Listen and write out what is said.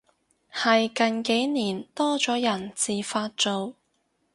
係近幾年多咗人自發做